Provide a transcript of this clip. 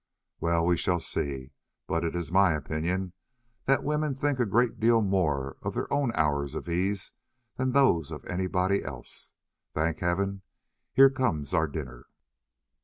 "Well, we shall see. But it is my opinion that women think a great deal more of their own hours of ease than of those of anybody else. Thank heaven, here comes our dinner!"